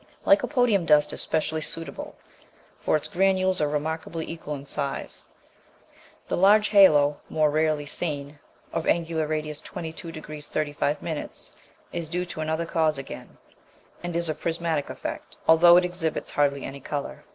Lycopodium dust is specially suitable, for its granules are remarkably equal in size. The large halo, more rarely seen, of angular radius 22°·35, is due to another cause again, and is a prismatic effect, although it exhibits hardly any colour.